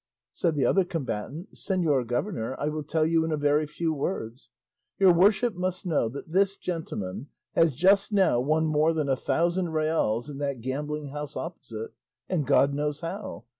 Said the other combatant, "Señor governor, I will tell you in a very few words. Your worship must know that this gentleman has just now won more than a thousand reals in that gambling house opposite, and God knows how.